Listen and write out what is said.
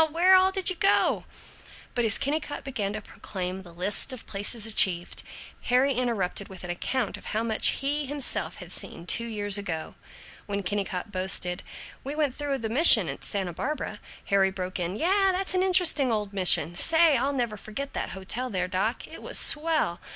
Where all did you go?" But as Kennicott began to proclaim the list of places achieved, Harry interrupted with an account of how much he himself had seen, two years ago. When Kennicott boasted, "We went through the mission at Santa Barbara," Harry broke in, "Yeh, that's an interesting old mission. Say, I'll never forget that hotel there, doc. It was swell.